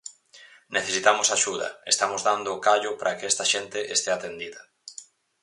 Necesitamos axuda, estamos dando o callo para que esta xente estea atendida.